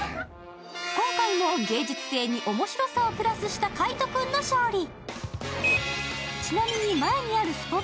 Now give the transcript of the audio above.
今回も芸術性に面白さをプラスした海音君の勝利。